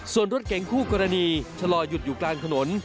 ส่วนรถเก่งคู่กรณีชะลอหยุดอยู่กลางถนน